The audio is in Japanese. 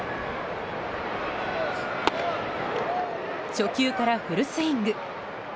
初球からフルスイング。